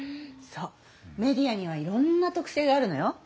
そうメディアにはいろんな特性があるのよ。